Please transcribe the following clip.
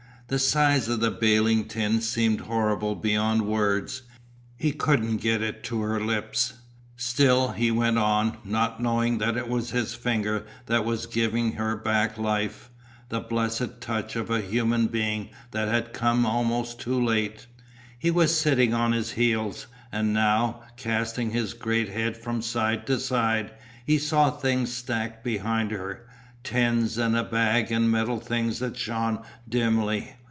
The size of the baling tin seemed horrible beyond words; he couldn't get it to her lips. Still he went on, not knowing that it was his finger that was giving her back life; the blessed touch of a human being that had come almost too late. He was sitting on his heels, and now, casting his great head from side to side, he saw things stacked behind her, tins and a bag and metal things that shone dimly.